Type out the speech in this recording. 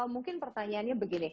mungkin pertanyaannya begini